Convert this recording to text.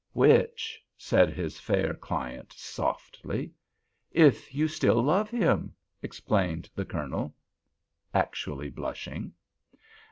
"Which?" said his fair client, softly. "If you still love him?" explained the Colonel, actually blushing.